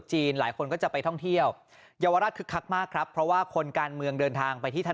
หลายคนก็จะไปท่องเที่ยวเยาวราชคึกคักมากครับเพราะว่าคนการเมืองเดินทางไปที่ท่าน